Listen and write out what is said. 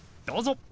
どうぞ！